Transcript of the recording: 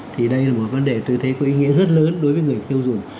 thì đây là một vấn đề tôi thấy có ý nghĩa rất lớn đối với người tiêu dùng